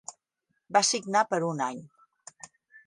Va signar per un any.